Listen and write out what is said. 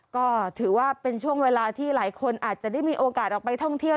ก็ถือว่าเป็นช่วงเวลาที่หลายคนอาจจะได้มีโอกาสออกไปท่องเที่ยว